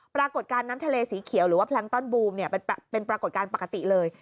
ปรากฏการณ์น้ำทะเลสีเขียวหรือว่าแพลงต้อนบูมเป็นปรากฏการณ์ปกติเลย